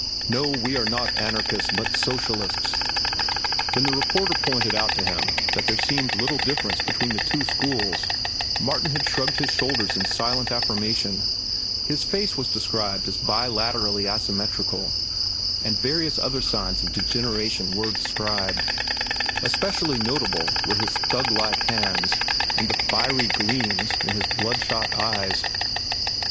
"No, we are not anarchists but socialists." When the reporter pointed out to him that there seemed little difference between the two schools, Martin had shrugged his shoulders in silent affirmation. His face was described as bilaterally asymmetrical, and various other signs of degeneration were described. Especially notable were his thuglike hands and the fiery gleams in his blood shot eyes.